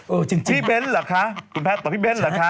เออจริงค่ะคุณแพทย์ต่อพี่เบ้นหรือคะคุณแพทย์ต่อพี่เบ้นหรือคะ